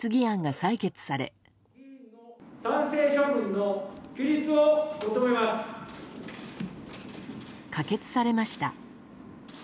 可決されました。